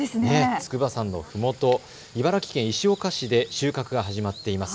筑波山のふもと、茨城県石岡市で収穫が始まっています。